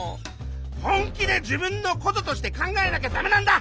本気で自分のこととして考えなきゃダメなんだ！